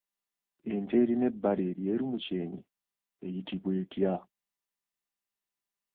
Ente erina ebbala eryeru mu kyenyi eyitibwa etya?